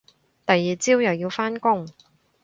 第二朝又要返工